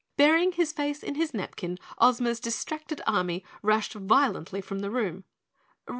Burying his face in his napkin, Ozma's distracted army rushed violently from the room.